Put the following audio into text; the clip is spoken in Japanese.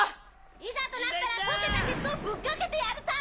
いざとなったら溶けた鉄をぶっかけてやるさ！